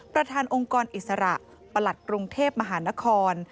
ประธานองค์กรอิสระประหลัดกรุงเทพมหานคร